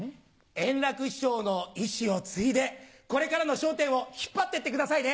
円楽師匠の遺志を継いでこれからの『笑点』を引っ張って行ってくださいね！